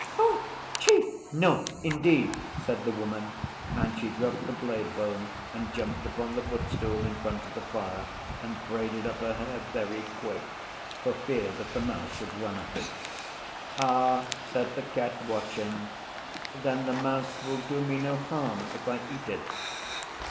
'Ouh! Chee! No indeed!' said the Woman, and she dropped the blade bone and jumped upon the footstool in front of the fire and braided up her hair very quick for fear that the mouse should run up it. 'Ah,' said the Cat, watching, 'then the mouse will do me no harm if I eat it?